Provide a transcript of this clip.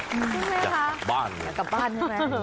ใช่ไหมคะจับกลับบ้านเลยแล้วกลับบ้านให้แหละ